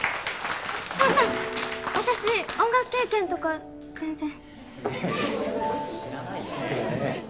そんな私音楽経験とか全然